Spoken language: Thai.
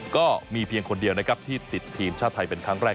ก็มีเพียงคนเดียวนะครับที่ติดทีมชาติไทยเป็นครั้งแรก